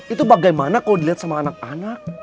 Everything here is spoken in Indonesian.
itu bagaimana kalau dilihat sama anak anak